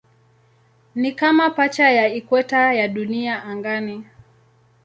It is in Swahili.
Ni kama pacha ya ikweta ya Dunia angani.